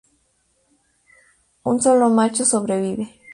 Un solo Macho sobrevive.